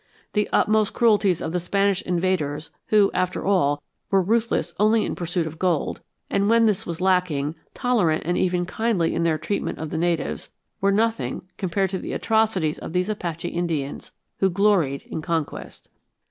The utmost cruelties of the Spanish invaders who, after all, were ruthless only in pursuit of gold, and, when this was lacking, tolerant and even kindly in their treatment of the natives, were nothing compared to the atrocities of these Apache Indians, who gloried in conquest.